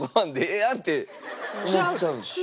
えっ？